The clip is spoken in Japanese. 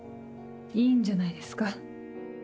いいんじゃないですか。